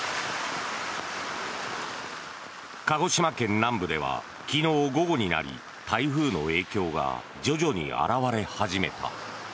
鹿児島県南部では昨日午後になり台風の影響が徐々に現れ始めた。